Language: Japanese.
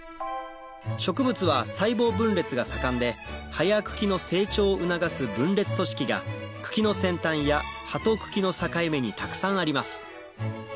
植物は細胞分裂が盛んで葉や茎の成長を促す分裂組織が茎の先端や葉と茎の境目にたくさんあります